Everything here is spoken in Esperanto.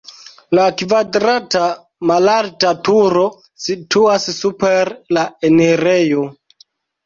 La kvadrata malalta turo situas super la enirejo.